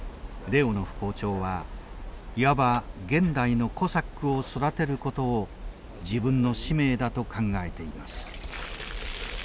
レオノフ校長はいわば現代のコサックを育てることを自分の使命だと考えています。